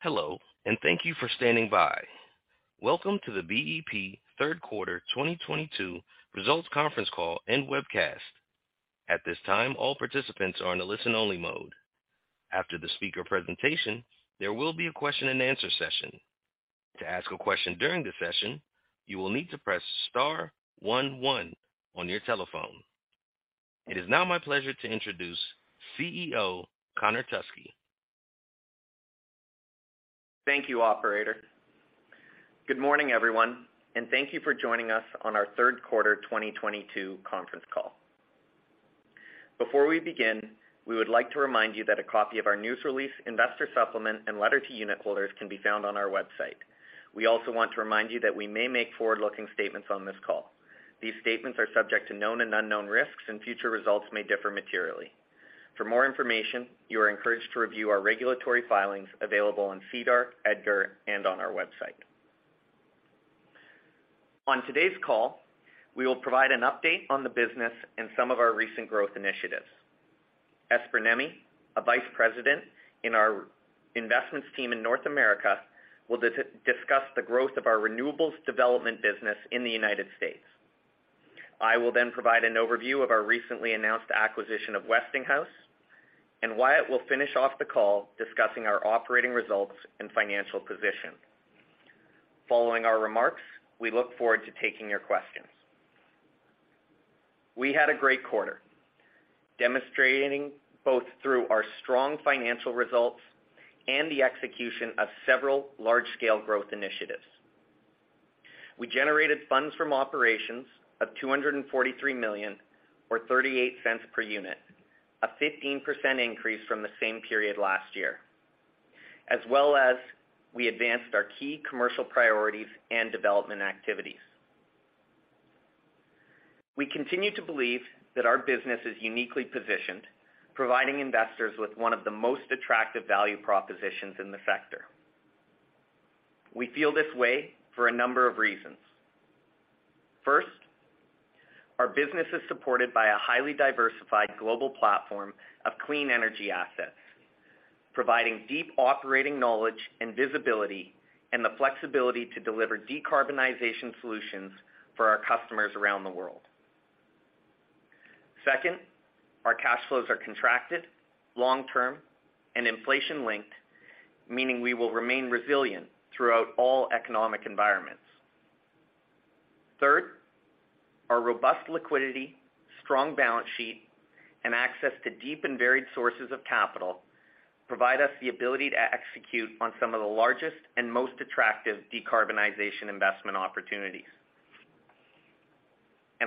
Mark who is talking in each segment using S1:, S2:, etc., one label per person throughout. S1: Hello, and thank you for standing by. Welcome to the BEP third quarter 2022 results conference call and webcast. At this time, all participants are in a listen-only mode. After the speaker presentation, there will be a question-and-answer session. To ask a question during the session, you will need to press star one one on your telephone. It is now my pleasure to introduce CEO Connor Teskey.
S2: Thank you, operator. Good morning, everyone, and thank you for joining us on our third quarter 2022 conference call. Before we begin, we would like to remind you that a copy of our news release, investor supplement, and letter to unit holders can be found on our website. We also want to remind you that we may make forward-looking statements on this call. These statements are subject to known and unknown risks, and future results may differ materially. For more information, you are encouraged to review our regulatory filings available on SEDAR, EDGAR, and on our website. On today's call, we will provide an update on the business and some of our recent growth initiatives. Esper Nemi, a Vice President in our investments team in North America, will discuss the growth of our renewables development business in the United States. I will then provide an overview of our recently announced acquisition of Westinghouse, and Wyatt will finish off the call discussing our operating results and financial position. Following our remarks, we look forward to taking your questions. We had a great quarter, demonstrating both through our strong financial results and the execution of several large-scale growth initiatives. We generated Funds from Operations of $243 million or $0.38 per unit, a 15% increase from the same period last year, as well as we advanced our key commercial priorities and development activities. We continue to believe that our business is uniquely positioned, providing investors with one of the most attractive value propositions in the sector. We feel this way for a number of reasons. First, our business is supported by a highly diversified global platform of clean energy assets, providing deep operating knowledge and visibility and the flexibility to deliver decarbonization solutions for our customers around the world. Second, our cash flows are contracted, long-term, and inflation-linked, meaning we will remain resilient throughout all economic environments. Third, our robust liquidity, strong balance sheet, and access to deep and varied sources of capital provide us the ability to execute on some of the largest and most attractive decarbonization investment opportunities.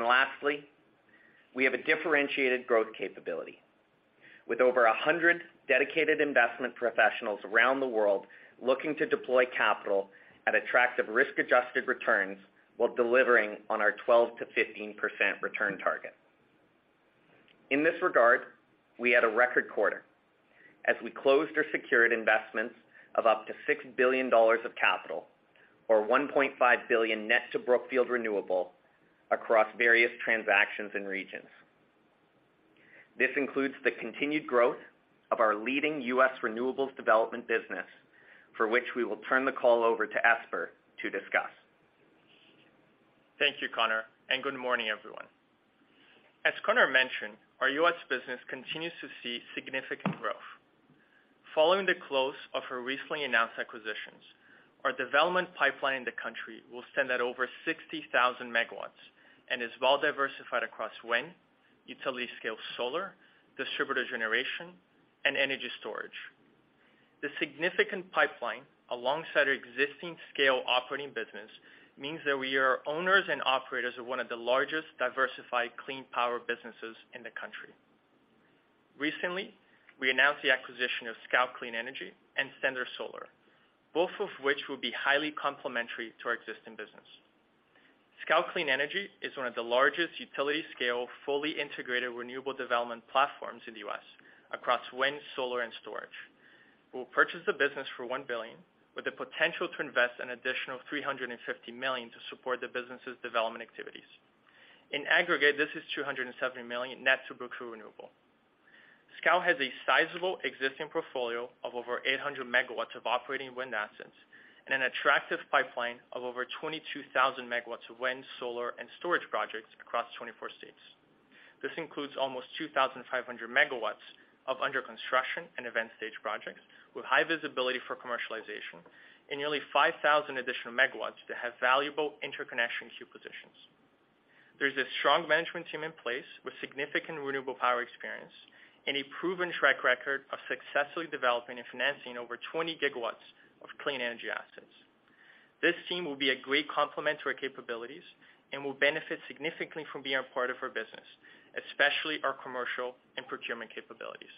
S2: Lastly, we have a differentiated growth capability with over a hundred dedicated investment professionals around the world looking to deploy capital at attractive risk-adjusted returns while delivering on our 12%-15% return target. In this regard, we had a record quarter as we closed or secured investments of up to $6 billion of capital or $1.5 billion net to Brookfield Renewable across various transactions and regions. This includes the continued growth of our leading U.S. renewables development business, for which we will turn the call over to Esper to discuss.
S3: Thank you, Connor, and good morning, everyone. As Connor mentioned, our U.S. business continues to see significant growth. Following the close of our recently announced acquisitions, our development pipeline in the country will stand at over 60,000 MW and is well diversified across wind, utility-scale solar, distributed generation, and energy storage. The significant pipeline, alongside our existing scale operating business, means that we are owners and operators of one of the largest diversified clean power businesses in the country. Recently, we announced the acquisition of Scout Clean Energy and Standard Solar, both of which will be highly complementary to our existing business. Scout Clean Energy is one of the largest utility-scale, fully integrated renewable development platforms in the U.S. across wind, solar, and storage. We'll purchase the business for $1 billion, with the potential to invest an additional $350 million to support the business's development activities. In aggregate, this is $270 million net to Brookfield Renewable. Scout Clean Energy has a sizable existing portfolio of over 800 MW of operating wind assets and an attractive pipeline of over 22,000 MW of wind, solar, and storage projects across 24 states. This includes almost 2,500 MW of under-construction and advanced-stage projects with high visibility for commercialization and nearly 5,000 additional megawatts that have valuable interconnection queue positions. There's a strong management team in place with significant renewable power experience and a proven track record of successfully developing and financing over 20 GW of clean energy assets. This team will be a great complement to our capabilities and will benefit significantly from being a part of our business, especially our commercial and procurement capabilities.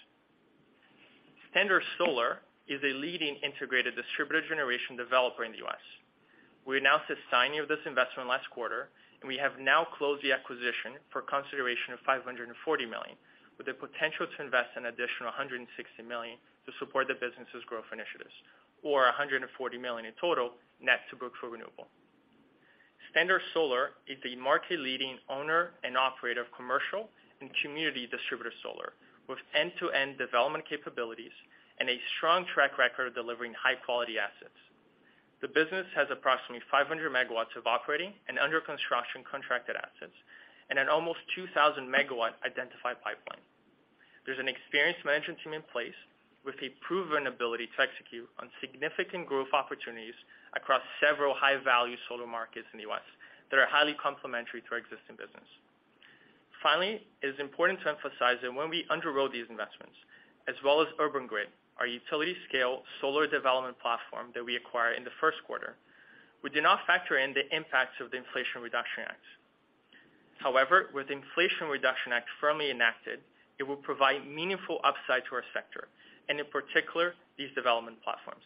S3: Standard Solar is a leading integrated distributed generation developer in the U.S. We announced the signing of this investment last quarter, and we have now closed the acquisition for consideration of $500 million, with the potential to invest an additional $160 million to support the business's growth initiatives, for $140 million in total net to Brookfield Renewable. Standard Solar is the market-leading owner and operator of commercial and community distributed solar with end-to-end development capabilities and a strong track record of delivering high-quality assets. The business has approximately 500 MW of operating and under construction contracted assets and an almost 2,000 MW identified pipeline. There's an experienced management team in place with a proven ability to execute on significant growth opportunities across several high-value solar markets in the U.S. that are highly complementary to our existing business. Finally, it is important to emphasize that when we underwrote these investments as well as Urban Grid, our utility-scale solar development platform that we acquired in the first quarter, we did not factor in the impacts of the Inflation Reduction Act. However, with the Inflation Reduction Act firmly enacted, it will provide meaningful upside to our sector and in particular, these development platforms.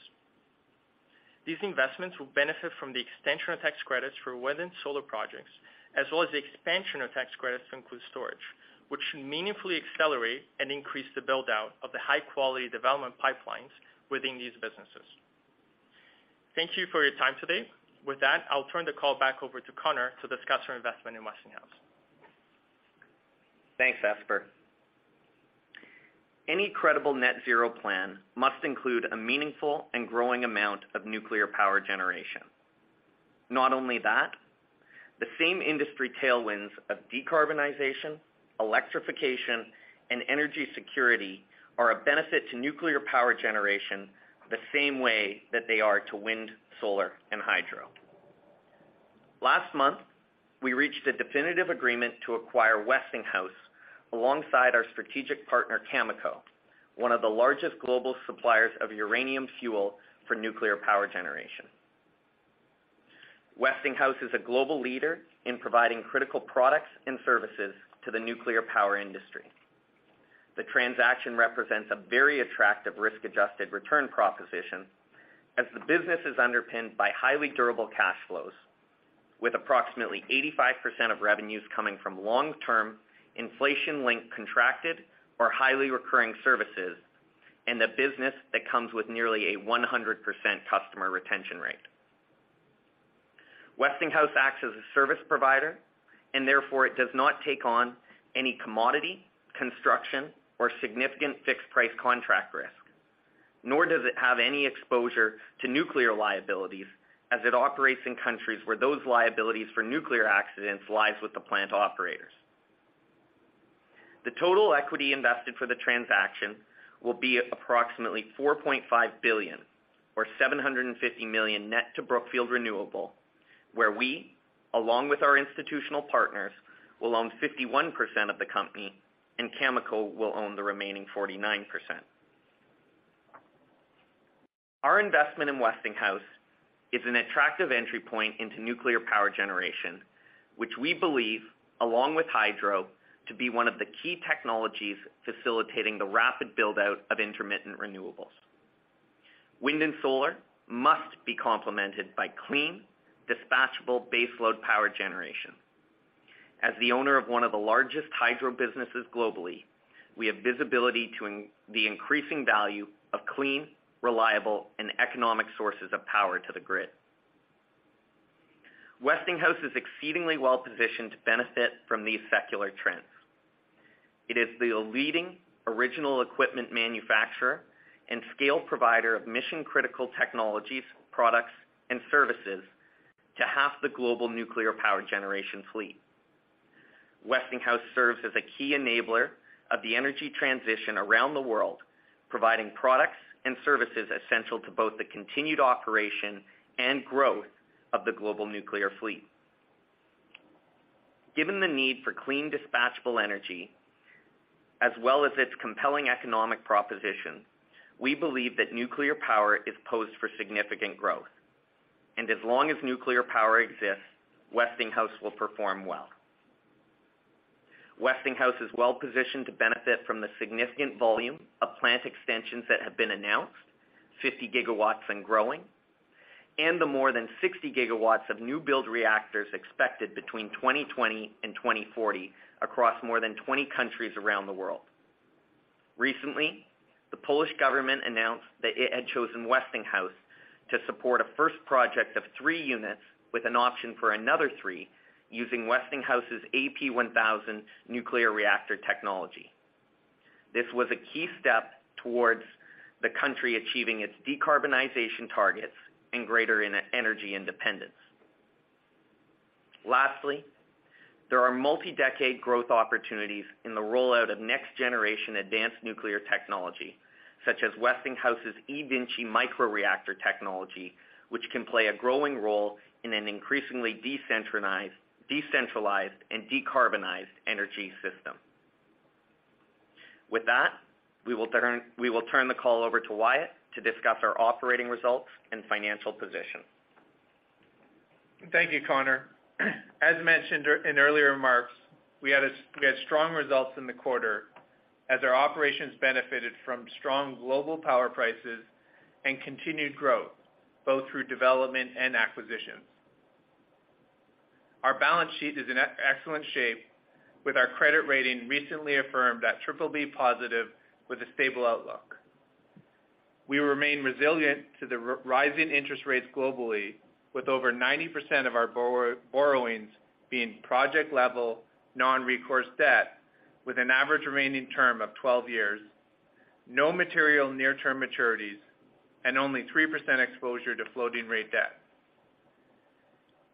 S3: These investments will benefit from the extension of tax credits for wind and solar projects, as well as the expansion of tax credits to include storage, which should meaningfully accelerate and increase the build-out of the high-quality development pipelines within these businesses. Thank you for your time today. With that, I'll turn the call back over to Connor to discuss our investment in Westinghouse.
S2: Thanks, Esper. Any credible net zero plan must include a meaningful and growing amount of nuclear power generation. Not only that, the same industry tailwinds of decarbonization, electrification, and energy security are a benefit to nuclear power generation the same way that they are to wind, solar, and hydro. Last month, we reached a definitive agreement to acquire Westinghouse alongside our strategic partner, Cameco, one of the largest global suppliers of uranium fuel for nuclear power generation. Westinghouse is a global leader in providing critical products and services to the nuclear power industry. The transaction represents a very attractive risk-adjusted return proposition as the business is underpinned by highly durable cash flows, with approximately 85% of revenues coming from long-term inflation-linked contracted or highly recurring services, and a business that comes with nearly a 100% customer retention rate. Westinghouse acts as a service provider, and therefore it does not take on any commodity, construction or significant fixed price contract risk, nor does it have any exposure to nuclear liabilities as it operates in countries where those liabilities for nuclear accidents lies with the plant operators. The total equity invested for the transaction will be approximately $4.5 billion or $750 million net to Brookfield Renewable, where we, along with our institutional partners, will own 51% of the company and Cameco will own the remaining 49%. Our investment in Westinghouse is an attractive entry point into nuclear power generation, which we believe, along with hydro, to be one of the key technologies facilitating the rapid build-out of intermittent renewables. Wind and solar must be complemented by clean, dispatchable baseload power generation. As the owner of one of the largest hydro businesses globally, we have visibility to the increasing value of clean, reliable and economic sources of power to the grid. Westinghouse is exceedingly well-positioned to benefit from these secular trends. It is the leading original equipment manufacturer and scale provider of mission-critical technologies, products and services to half the global nuclear power generation fleet. Westinghouse serves as a key enabler of the energy transition around the world, providing products and services essential to both the continued operation and growth of the global nuclear fleet. Given the need for clean, dispatchable energy, as well as its compelling economic proposition, we believe that nuclear power is posed for significant growth. As long as nuclear power exists, Westinghouse will perform well. Westinghouse is well-positioned to benefit from the significant volume of plant extensions that have been announced, 50 GW and growing, and the more than 60 GW of new build reactors expected between 2020 and 2040 across more than 20 countries around the world. Recently, the Polish government announced that it had chosen Westinghouse to support a first project of three units with an option for another three using Westinghouse's AP1000 nuclear reactor technology. This was a key step towards the country achieving its decarbonization targets and greater energy independence. Lastly, there are multi-decade growth opportunities in the rollout of next-generation advanced nuclear technology, such as Westinghouse's eVinci microreactor technology, which can play a growing role in an increasingly decentralized and decarbonized energy system. With that, we will turn the call over to Wyatt to discuss our operating results and financial position.
S4: Thank you, Connor. As mentioned in earlier remarks, we had strong results in the quarter as our operations benefited from strong global power prices and continued growth both through development and acquisitions. Our balance sheet is in excellent shape with our credit rating recently affirmed at BBB+ with a stable outlook. We remain resilient to the rising interest rates globally with over 90% of our borrowings being project-level, non-recourse debt with an average remaining term of 12 years, no material near-term maturities, and only 3% exposure to floating rate debt.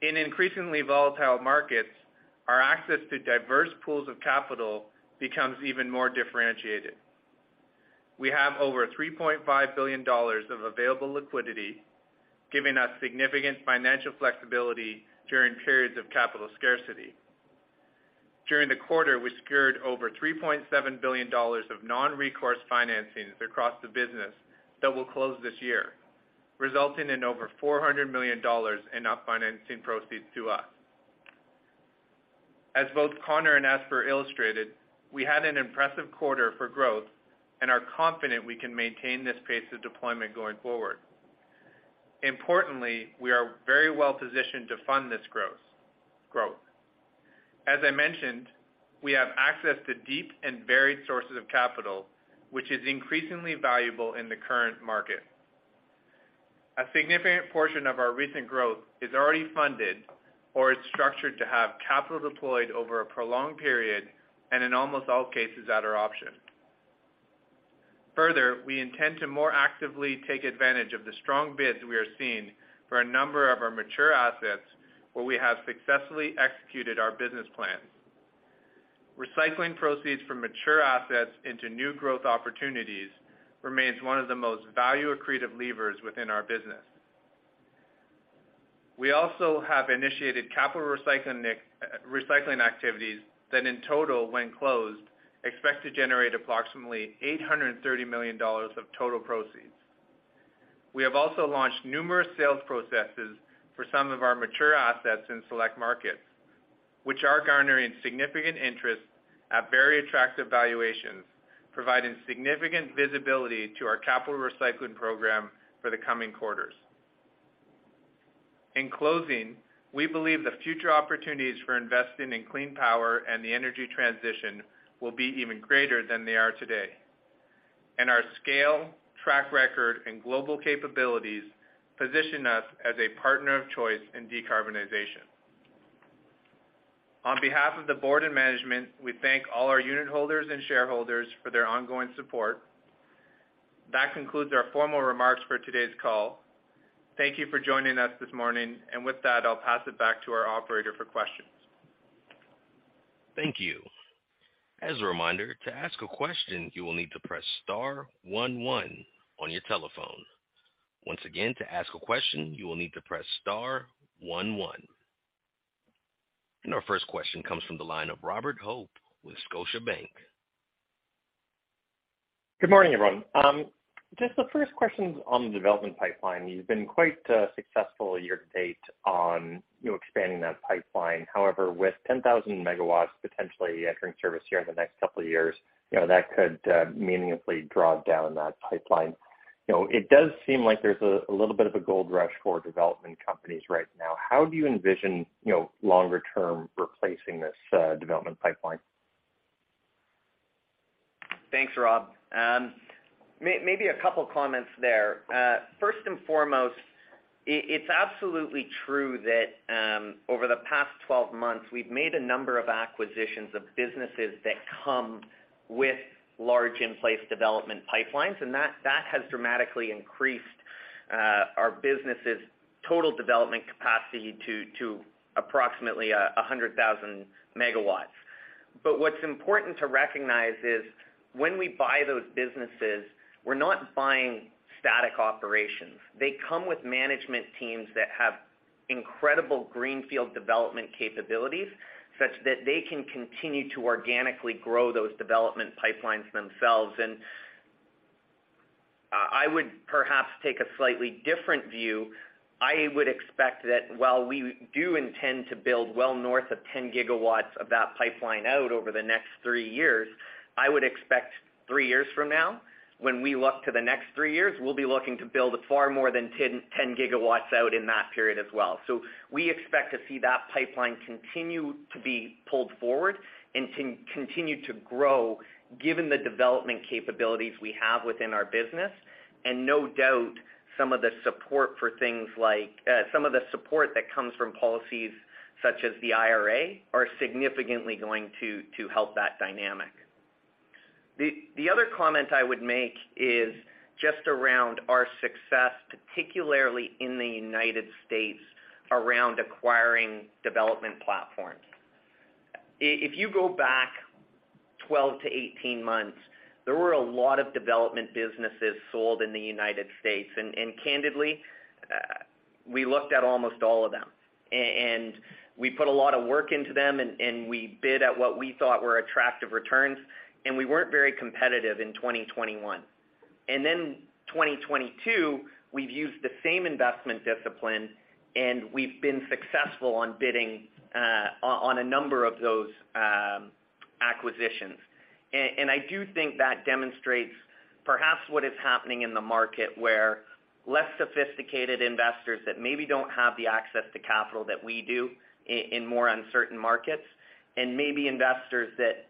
S4: In increasingly volatile markets, our access to diverse pools of capital becomes even more differentiated. We have over $3.5 billion of available liquidity, giving us significant financial flexibility during periods of capital scarcity. During the quarter, we secured over $3.7 billion of non-recourse financings across the business that will close this year, resulting in over $400 million in upfront financing proceeds to us. As both Connor and Esper illustrated, we had an impressive quarter for growth and are confident we can maintain this pace of deployment going forward. Importantly, we are very well-positioned to fund this growth. As I mentioned, we have access to deep and varied sources of capital, which is increasingly valuable in the current market. A significant portion of our recent growth is already funded or is structured to have capital deployed over a prolonged period and in almost all cases at our option. Further, we intend to more actively take advantage of the strong bids we are seeing for a number of our mature assets where we have successfully executed our business plans. Recycling proceeds from mature assets into new growth opportunities remains one of the most value-accretive levers within our business. We also have initiated capital recycling activities that, in total, when closed, expect to generate approximately $830 million of total proceeds. We have also launched numerous sales processes for some of our mature assets in select markets, which are garnering significant interest at very attractive valuations, providing significant visibility to our capital recycling program for the coming quarters. In closing, we believe the future opportunities for investing in clean power and the energy transition will be even greater than they are today. Our scale, track record, and global capabilities position us as a partner of choice in decarbonization. On behalf of the board and management, we thank all our unitholders and shareholders for their ongoing support. That concludes our formal remarks for today's call. Thank you for joining us this morning. With that, I'll pass it back to our operator for questions.
S1: Thank you. As a reminder, to ask a question, you will need to press star one one on your telephone. Once again, to ask a question, you will need to press star one one. Our first question comes from the line of Robert Hope with Scotiabank.
S5: Good morning, everyone. Just the first question's on the development pipeline. You've been quite successful year-to-date on, you know, expanding that pipeline. However, with 10,000 MW potentially entering service here in the next couple of years, you know, that could meaningfully draw down that pipeline. You know, it does seem like there's a little bit of a gold rush for development companies right now. How do you envision, you know, longer term replacing this development pipeline?
S2: Thanks, Robert. Maybe a couple comments there. First and foremost, it's absolutely true that over the past 12 months, we've made a number of acquisitions of businesses that come with large in-place development pipelines, and that has dramatically increased our business' total development capacity to approximately 100,000 MW. What's important to recognize is when we buy those businesses, we're not buying static operations. They come with management teams that have incredible greenfield development capabilities, such that they can continue to organically grow those development pipelines themselves. I would perhaps take a slightly different view. I would expect that while we do intend to build well north of 10 GW of that pipeline out over the next three years, I would expect three years from now, when we look to the next three years, we'll be looking to build far more than 10 GW out in that period as well. We expect to see that pipeline continue to be pulled forward and continue to grow given the development capabilities we have within our business. No doubt, some of the support that comes from policies such as the IRA are significantly going to help that dynamic. The other comment I would make is just around our success, particularly in the United States, around acquiring development platforms. If you go back 12-18 months, there were a lot of development businesses sold in the United States. Candidly, we looked at almost all of them. We put a lot of work into them, and we bid at what we thought were attractive returns, and we weren't very competitive in 2021. Then 2022, we've used the same investment discipline, and we've been successful on bidding on a number of those acquisitions. I do think that demonstrates perhaps what is happening in the market, where Less sophisticated investors that maybe don't have the access to capital that we do in more uncertain markets, and maybe investors that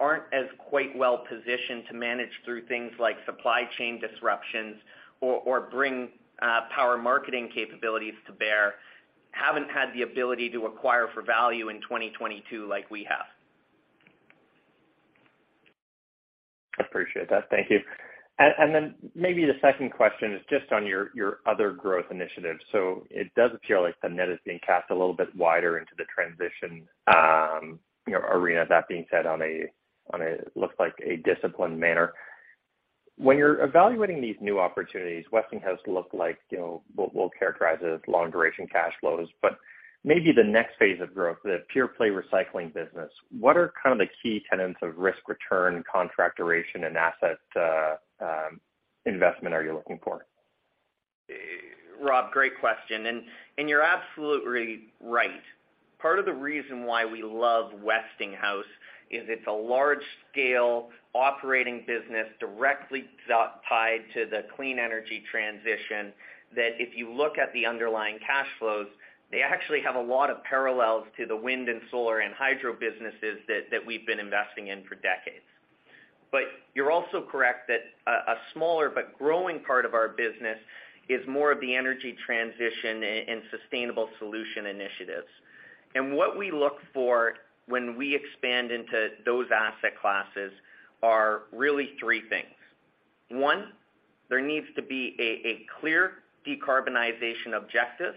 S2: aren't as quite well-positioned to manage through things like supply chain disruptions or bring power marketing capabilities to bear, haven't had the ability to acquire for value in 2022 like we have.
S5: Appreciate that. Thank you. Maybe the second question is just on your other growth initiatives. It does appear like the net is being cast a little bit wider into the transition, you know, arena. That being said, it looks like a disciplined manner. When you're evaluating these new opportunities, Westinghouse looked like, you know, what we'll characterize as long-duration cash flows. Maybe the next phase of growth, the pure-play recycling business, what are kind of the key tenets of risk-return contract duration and asset investment are you looking for?
S2: Rob, great question, and you're absolutely right. Part of the reason why we love Westinghouse is it's a large-scale operating business directly tied to the clean energy transition that if you look at the underlying cash flows, they actually have a lot of parallels to the wind and solar and hydro businesses that we've been investing in for decades. You're also correct that a smaller but growing part of our business is more of the energy transition and sustainable solution initiatives. What we look for when we expand into those asset classes are really three things. One, there needs to be a clear decarbonization objective,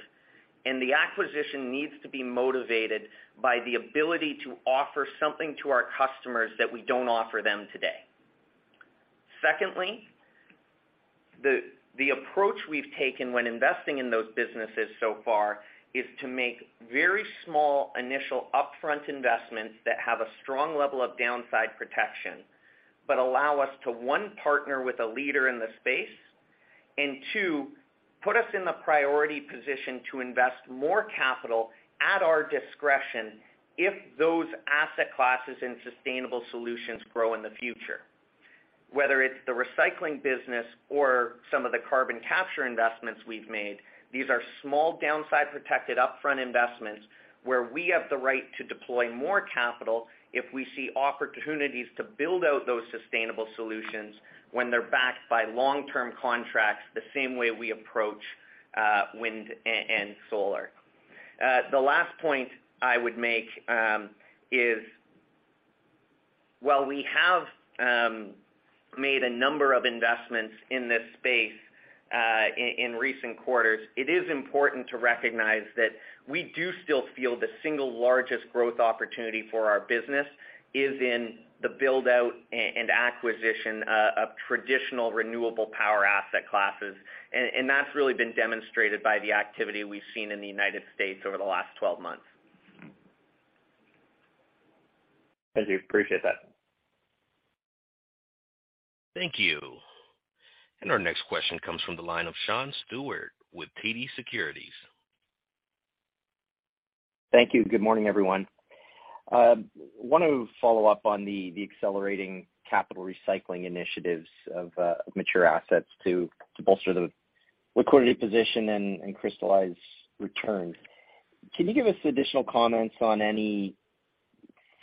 S2: and the acquisition needs to be motivated by the ability to offer something to our customers that we don't offer them today. Secondly, the approach we've taken when investing in those businesses so far is to make very small initial upfront investments that have a strong level of downside protection, but allow us to, one, partner with a leader in the space, and two, put us in the priority position to invest more capital at our discretion if those asset classes and sustainable solutions grow in the future. Whether it's the recycling business or some of the carbon capture investments we've made, these are small downside-protected upfront investments where we have the right to deploy more capital if we see opportunities to build out those sustainable solutions when they're backed by long-term contracts, the same way we approach wind and solar. The last point I would make is while we have made a number of investments in this space in recent quarters, it is important to recognize that we do still feel the single largest growth opportunity for our business is in the build-out and acquisition of traditional renewable power asset classes. That's really been demonstrated by the activity we've seen in the United States over the last 12 months.
S5: Thank you. Appreciate that.
S1: Thank you. Our next question comes from the line of Sean Stewart with TD Securities.
S6: Thank you. Good morning, everyone. Want to follow up on the accelerating capital recycling initiatives of mature assets to bolster the liquidity position and crystallize returns. Can you give us additional comments on any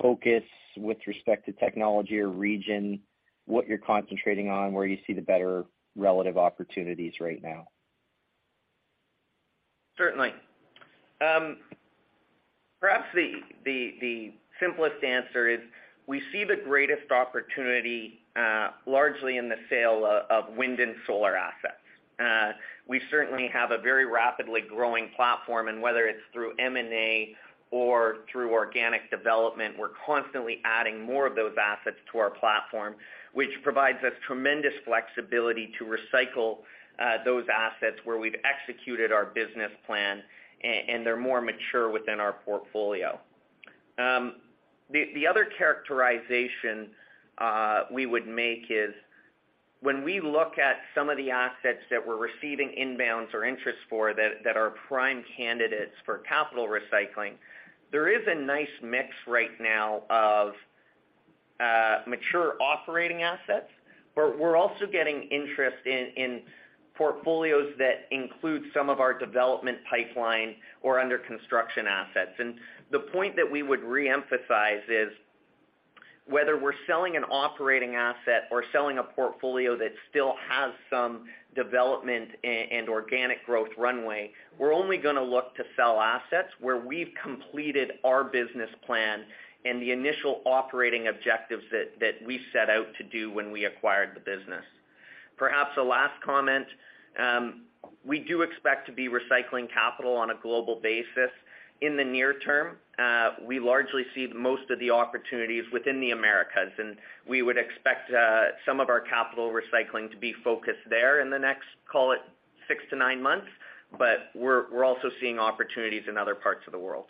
S6: focus with respect to technology or region, what you're concentrating on, where you see the better relative opportunities right now?
S2: Certainly. Perhaps the simplest answer is we see the greatest opportunity largely in the sale of wind and solar assets. We certainly have a very rapidly growing platform, and whether it's through M&A or through organic development, we're constantly adding more of those assets to our platform, which provides us tremendous flexibility to recycle those assets where we've executed our business plan and they're more mature within our portfolio. The other characterization we would make is when we look at some of the assets that we're receiving inbounds or interest for that are prime candidates for capital recycling, there is a nice mix right now of mature operating assets, but we're also getting interest in portfolios that include some of our development pipeline or under construction assets. The point that we would reemphasize is whether we're selling an operating asset or selling a portfolio that still has some development and organic growth runway, we're only gonna look to sell assets where we've completed our business plan and the initial operating objectives that we set out to do when we acquired the business. Perhaps a last comment, we do expect to be recycling capital on a global basis in the near term. We largely see most of the opportunities within the Americas, and we would expect some of our capital recycling to be focused there in the next, call it, six to nine months, but we're also seeing opportunities in other parts of the world.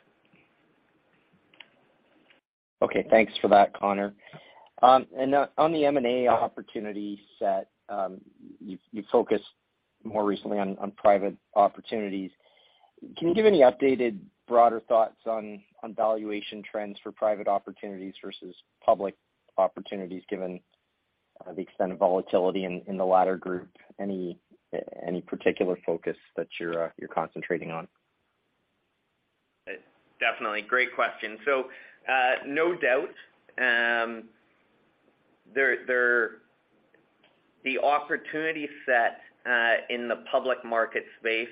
S6: Okay. Thanks for that, Connor. On the M&A opportunity set, you focused more recently on private opportunities. Can you give any updated broader thoughts on valuation trends for private opportunities versus public opportunities, given the extent of volatility in the latter group? Any particular focus that you're concentrating on?
S2: Definitely. Great question. No doubt, the opportunity set in the public market space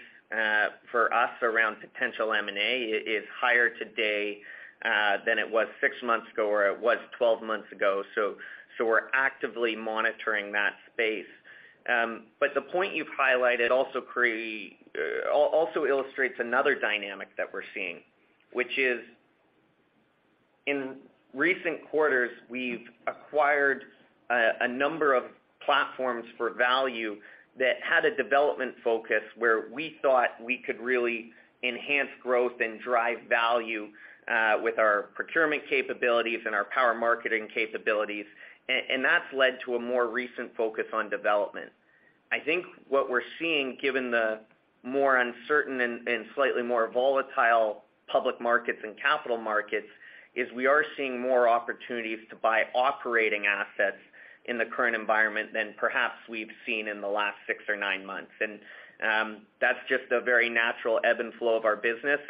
S2: for us around potential M&A is higher today than it was six months ago, or it was 12 months ago. We're actively monitoring that space. The point you've highlighted also illustrates another dynamic that we're seeing, which is in recent quarters, we've acquired a number of platforms for value that had a development focus where we thought we could really enhance growth and drive value with our procurement capabilities and our power marketing capabilities. That's led to a more recent focus on development. I think what we're seeing, given the more uncertain and slightly more volatile public markets and capital markets, is we are seeing more opportunities to buy operating assets in the current environment than perhaps we've seen in the last six or nine months. That's just a very natural ebb and flow of our business.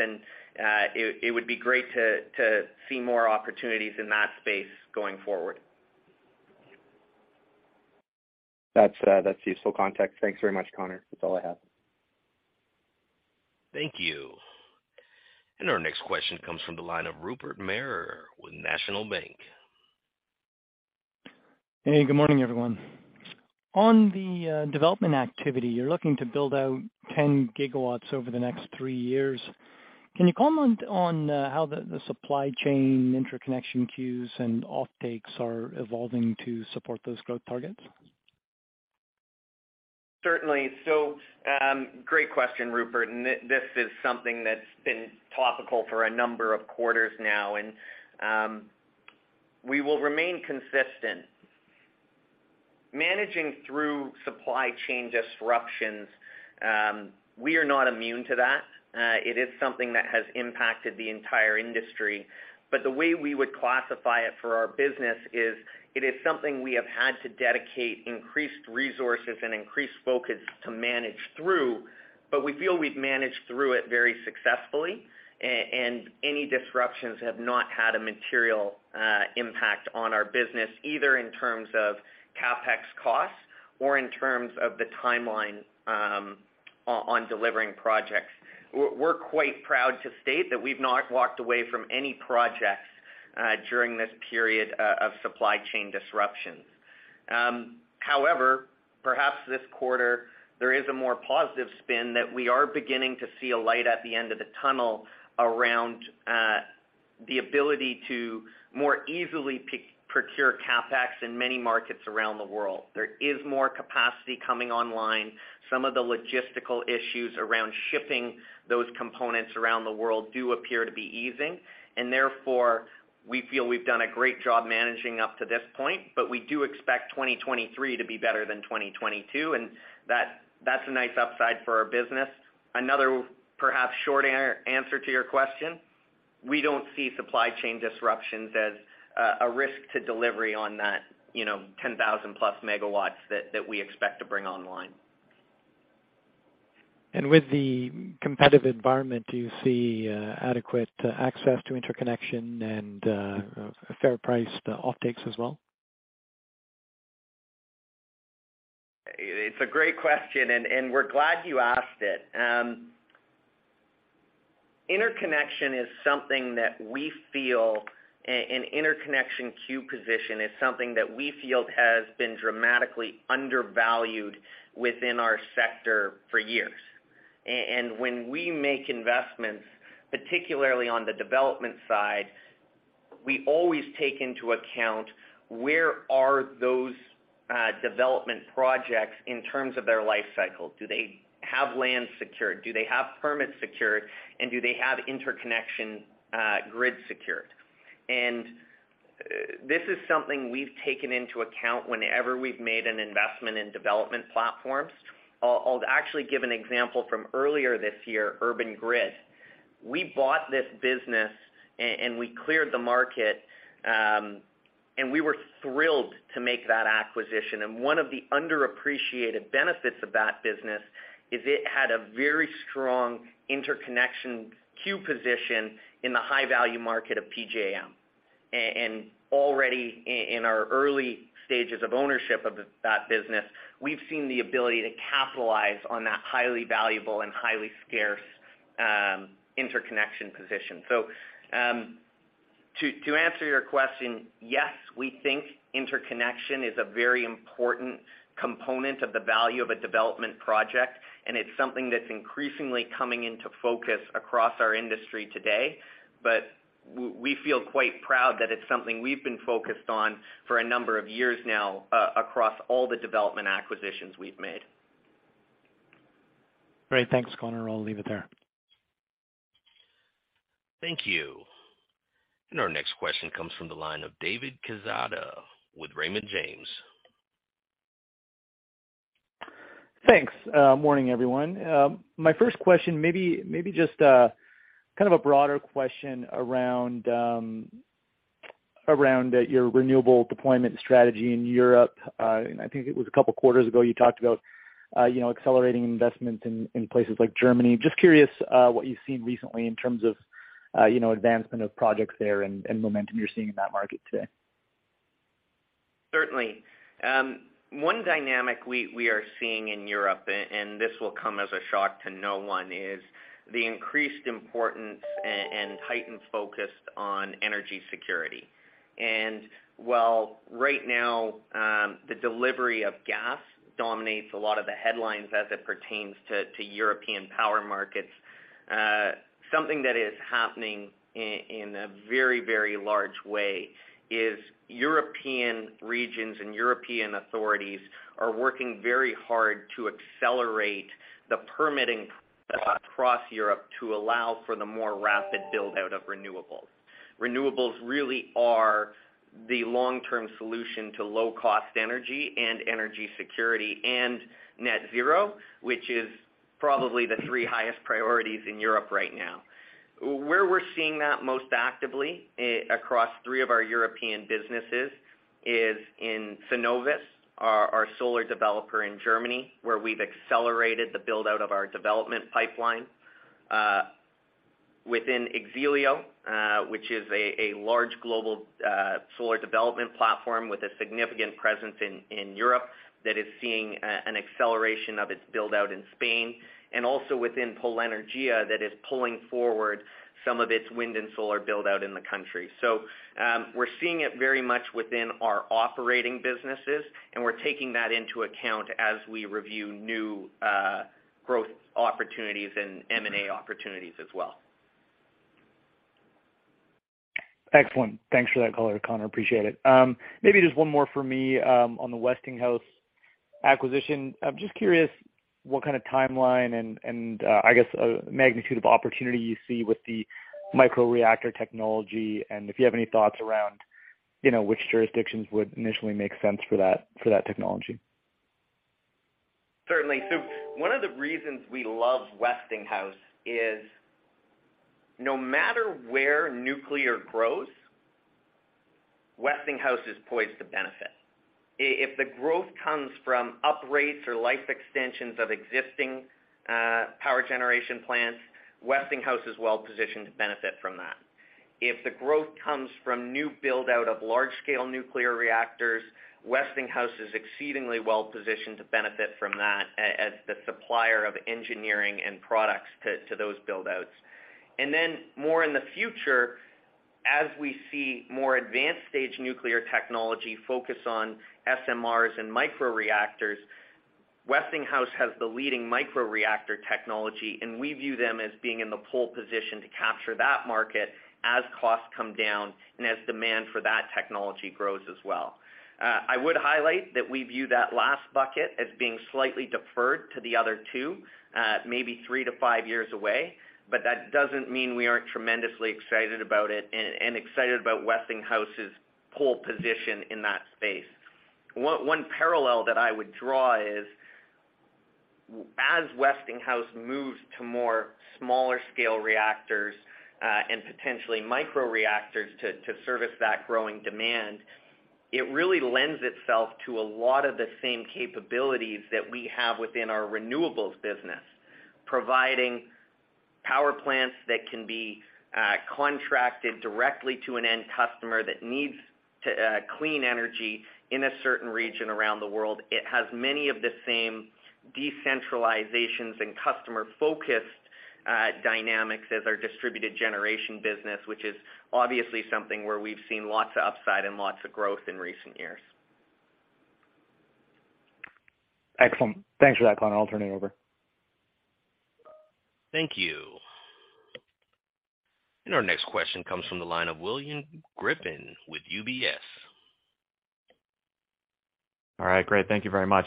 S2: It would be great to see more opportunities in that space going forward.
S6: That's useful context. Thanks very much, Connor. That's all I have.
S1: Thank you. Our next question comes from the line of Rupert Merer with National Bank.
S7: Hey, good morning, everyone. On the development activity, you're looking to build out 10 GW over the next three years. Can you comment on how the supply chain interconnection queues and offtakes are evolving to support those growth targets?
S2: Certainly. Great question, Rupert, and this is something that's been topical for a number of quarters now. We will remain consistent. Managing through supply chain disruptions, we are not immune to that. It is something that has impacted the entire industry. The way we would classify it for our business is it is something we have had to dedicate increased resources and increased focus to manage through, but we feel we've managed through it very successfully. Any disruptions have not had a material impact on our business, either in terms of CapEx costs or in terms of the timeline on delivering projects. We're quite proud to state that we've not walked away from any projects during this period of supply chain disruptions. However, perhaps this quarter, there is a more positive spin that we are beginning to see a light at the end of the tunnel around the ability to more easily procure CapEx in many markets around the world. There is more capacity coming online. Some of the logistical issues around shipping those components around the world do appear to be easing, and therefore we feel we've done a great job managing up to this point. We do expect 2023 to be better than 2022, and that's a nice upside for our business. Another perhaps short answer to your question, we don't see supply chain disruptions as a risk to delivery on that, you know, 10,000+ MW that we expect to bring online.
S7: With the competitive environment, do you see adequate access to interconnection and a fair price to offtakes as well?
S2: It's a great question, and we're glad you asked it. Interconnection is something that we feel, and interconnection queue position is something that we feel has been dramatically undervalued within our sector for years. When we make investments, particularly on the development side, we always take into account where are those development projects in terms of their life cycle. Do they have land secured? Do they have permits secured? And do they have interconnection grid secured? This is something we've taken into account whenever we've made an investment in development platforms. I'll actually give an example from earlier this year, Urban Grid. We bought this business and we cleared the market, and we were thrilled to make that acquisition. One of the underappreciated benefits of that business is it had a very strong interconnection queue position in the high-value market of PJM. And already in our early stages of ownership of that business, we've seen the ability to capitalize on that highly valuable and highly scarce, interconnection position. To answer your question, yes, we think interconnection is a very important component of the value of a development project, and it's something that's increasingly coming into focus across our industry today. We feel quite proud that it's something we've been focused on for a number of years now across all the development acquisitions we've made.
S7: Great. Thanks, Connor. I'll leave it there.
S1: Thank you. Our next question comes from the line of David Quezada with Raymond James.
S8: Thanks. Morning, everyone. My first question maybe just a kind of a broader question around your renewable deployment strategy in Europe. I think it was a couple of quarters ago, you talked about, you know, accelerating investment in places like Germany. Just curious, what you've seen recently in terms of, you know, advancement of projects there and momentum you're seeing in that market today.
S2: Certainly. One dynamic we are seeing in Europe, and this will come as a shock to no one, is the increased importance and heightened focus on energy security. While right now, the delivery of gas dominates a lot of the headlines as it pertains to European power markets, something that is happening in a very large way is European regions and European authorities are working very hard to accelerate the permitting across Europe to allow for the more rapid build-out of renewables. Renewables really are the long-term solution to low-cost energy and energy security and net zero, which is probably the three highest priorities in Europe right now. Where we're seeing that most actively across three of our European businesses is in Sunovis, our solar developer in Germany, where we've accelerated the build-out of our development pipeline. Within X-Elio, which is a large global solar development platform with a significant presence in Europe that is seeing an acceleration of its build-out in Spain. Also within Polenergia that is pulling forward some of its wind and solar build-out in the country. We're seeing it very much within our operating businesses, and we're taking that into account as we review new growth opportunities and M&A opportunities as well.
S8: Excellent. Thanks for that color, Connor. Appreciate it. Maybe just one more for me on the Westinghouse acquisition. I'm just curious what kind of timeline and I guess magnitude of opportunity you see with the microreactor technology, and if you have any thoughts around you know which jurisdictions would initially make sense for that technology.
S2: Certainly. One of the reasons we love Westinghouse is no matter where nuclear grows, Westinghouse is poised to benefit. If the growth comes from uprates or life extensions of existing power generation plants, Westinghouse is well-positioned to benefit from that. If the growth comes from new build-out of large-scale nuclear reactors, Westinghouse is exceedingly well-positioned to benefit from that as the supplier of engineering and products to those build-outs. Then more in the future, as we see more advanced stage nuclear technology focus on SMRs and microreactors, Westinghouse has the leading microreactor technology, and we view them as being in the pole position to capture that market as costs come down and as demand for that technology grows as well. I would highlight that we view that last bucket as being slightly deferred to the other two, maybe 3-5 years away, but that doesn't mean we aren't tremendously excited about it and excited about Westinghouse's pole position in that space. One parallel that I would draw is, as Westinghouse moves to more smaller scale reactors and potentially microreactors to service that growing demand, it really lends itself to a lot of the same capabilities that we have within our renewables business. Providing power plants that can be contracted directly to an end customer that needs to clean energy in a certain region around the world. It has many of the same decentralizations and customer-focused dynamics as our distributed generation business, which is obviously something where we've seen lots of upside and lots of growth in recent years.
S8: Excellent. Thanks for that, Connor. I'll turn it over.
S1: Thank you. Our next question comes from the line of William Griffin with UBS.
S9: All right, great. Thank you very much.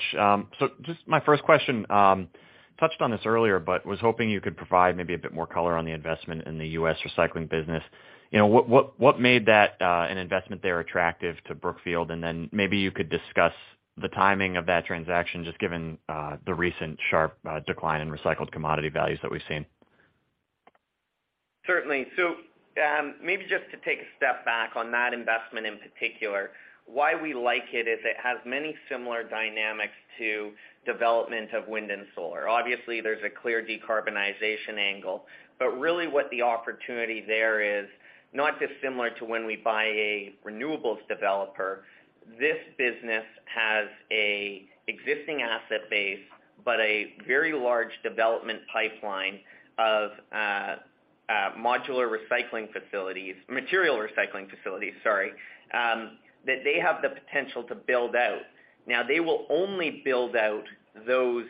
S9: Just my first question, touched on this earlier, but was hoping you could provide maybe a bit more color on the investment in the U.S. recycling business. You know, what made that an investment there attractive to Brookfield? And then maybe you could discuss the timing of that transaction, just given the recent sharp decline in recycled commodity values that we've seen.
S2: Certainly. Maybe just to take a step back on that investment in particular, why we like it is it has many similar dynamics to development of wind and solar. Obviously, there's a clear decarbonization angle, but really what the opportunity there is not dissimilar to when we buy a renewables developer. This business has an existing asset base, but a very large development pipeline of material recycling facilities that they have the potential to build out. Now, they will only build out those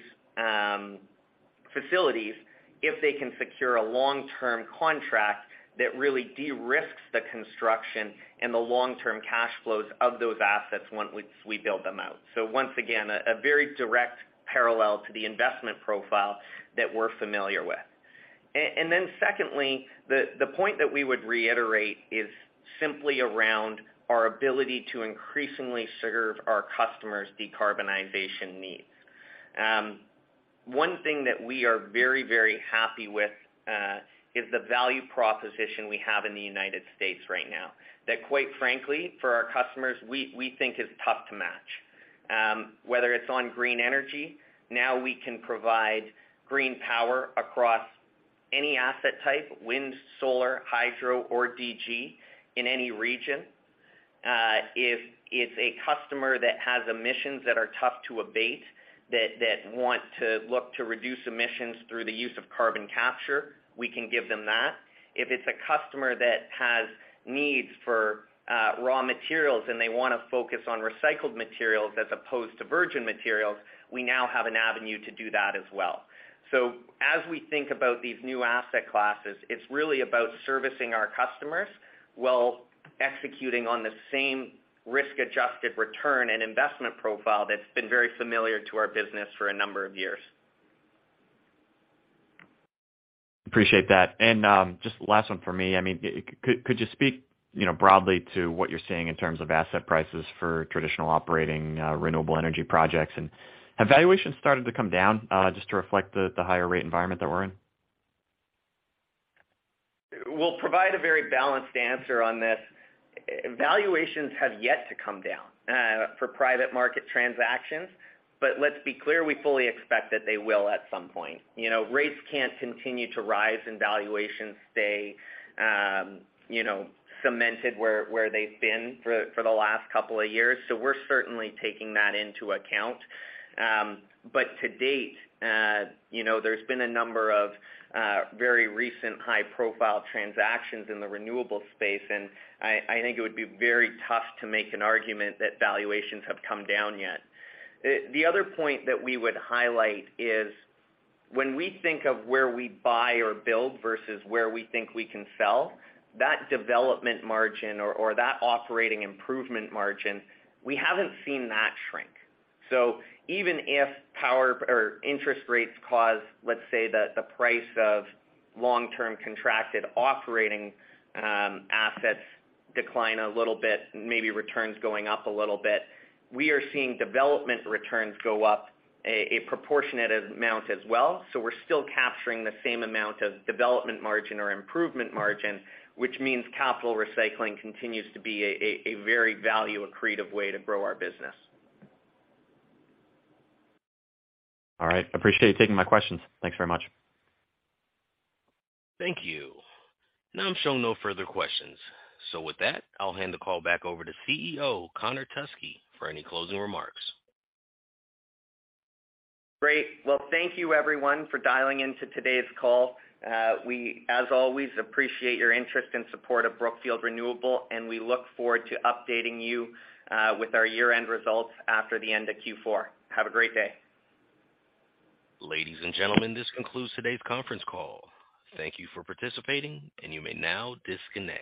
S2: facilities if they can secure a long-term contract that really de-risks the construction and the long-term cash flows of those assets once we build them out. Once again, a very direct parallel to the investment profile that we're familiar with. Secondly, the point that we would reiterate is simply around our ability to increasingly serve our customers' decarbonization needs. One thing that we are very happy with is the value proposition we have in the United States right now. That quite frankly, for our customers, we think is tough to match. Whether it's on green energy, now we can provide green power across any asset type, wind, solar, hydro, or DG in any region. If it's a customer that has emissions that are tough to abate that want to look to reduce emissions through the use of carbon capture, we can give them that. If it's a customer that has needs for raw materials and they wanna focus on recycled materials as opposed to virgin materials, we now have an avenue to do that as well. As we think about these new asset classes, it's really about servicing our customers while executing on the same risk-adjusted return and investment profile that's been very familiar to our business for a number of years.
S9: Appreciate that. Just last one for me. I mean, could you speak, you know, broadly to what you're seeing in terms of asset prices for traditional operating renewable energy projects? Have valuations started to come down, just to reflect the higher rate environment that we're in?
S2: We'll provide a very balanced answer on this. Valuations have yet to come down for private market transactions, but let's be clear, we fully expect that they will at some point. You know, rates can't continue to rise and valuations stay, you know, cemented where they've been for the last couple of years. We're certainly taking that into account. To date, you know, there's been a number of very recent high-profile transactions in the renewable space, and I think it would be very tough to make an argument that valuations have come down yet. The other point that we would highlight is when we think of where we buy or build versus where we think we can sell, that development margin or that operating improvement margin, we haven't seen that shrink. Even if power or interest rates cause, let's say, the price of long-term contracted operating assets decline a little bit, maybe returns going up a little bit, we are seeing development returns go up a proportionate amount as well. We're still capturing the same amount of development margin or improvement margin, which means capital recycling continues to be a very value-accretive way to grow our business.
S9: All right. Appreciate you taking my questions. Thanks very much.
S1: Thank you. Now I'm showing no further questions. With that, I'll hand the call back over to CEO Connor Teskey for any closing remarks.
S2: Great. Well, thank you everyone for dialing into today's call. We, as always, appreciate your interest and support of Brookfield Renewable, and we look forward to updating you with our year-end results after the end of Q4. Have a great day.
S1: Ladies and gentlemen, this concludes today's conference call. Thank you for participating, and you may now disconnect.